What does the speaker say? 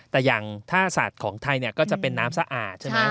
แต่อย่างท่าสัตว์ของไทยก็จะเป็นน้ำสะอาดใช่ไหม